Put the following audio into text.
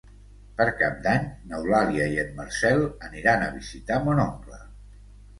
Per Cap d'Any n'Eulàlia i en Marcel aniran a visitar mon oncle.